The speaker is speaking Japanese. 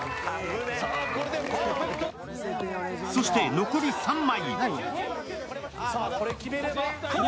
そして残り３枚。